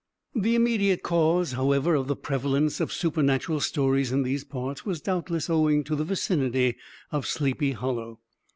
The immediate cause, however, of the prevalence of supernatural stories in these parts was doubtless owing to the vicinity of Sleepy Hollow.